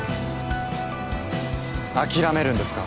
諦めるんですか？